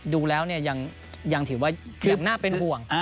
ดูแล้วยังถือว่าอย่างน่าเป็นภูมิ